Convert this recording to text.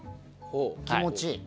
おお、気持ちいい。